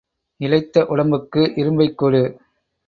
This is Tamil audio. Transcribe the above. இளைத்த உடம்புக்கு இரும்பைக் கொடு.